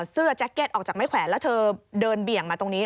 แจ็คเก็ตออกจากไม้แขวนแล้วเธอเดินเบี่ยงมาตรงนี้